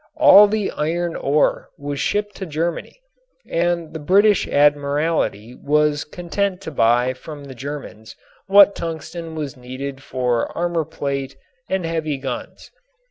All the ore was shipped to Germany and the British Admiralty was content to buy from the Germans what tungsten was needed for armor plate and heavy guns.